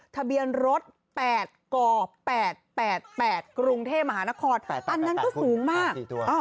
ทะเบียนรถ๘ก๘๘กรุงเทพมหานครอันนั้นก็สูงมาก